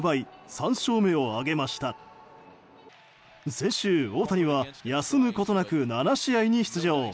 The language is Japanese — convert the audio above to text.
先週、大谷は休むことなく７試合に出場。